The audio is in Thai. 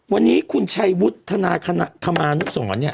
วันนี้คุณชัยวุฒิธนาคมานุส่วน